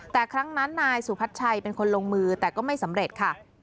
แต่ครั้งนั้นนายสุพัชชัยเป็นคนลงมือแต่ก็ไม่สำเร็จค่ะ